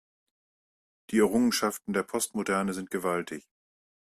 Die Errungenschaften der Postmoderne sind gewaltig.